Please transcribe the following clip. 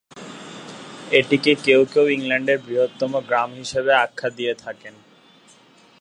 এটিকে কেউ কেউ "ইংল্যান্ডের বৃহত্তম গ্রাম" হিসেবে আখ্যা দিয়ে থাকেন।